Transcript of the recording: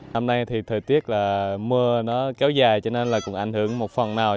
năm nay thì thời tiết là mưa nó kéo dài cho nên là cũng ảnh hưởng một phần nào